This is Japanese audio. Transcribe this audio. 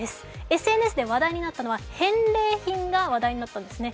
ＳＮＳで話題になったのは、返礼品が話題になったんですね。